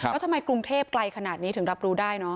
แล้วทำไมกรุงเทพไกลขนาดนี้ถึงรับรู้ได้เนอ